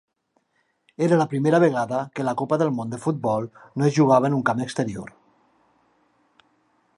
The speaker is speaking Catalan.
Era la primera vegada que la Copa del Món de Futbol no es jugava en un camp exterior.